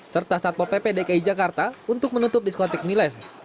serta satpol pp dki jakarta untuk menutup diskotik miles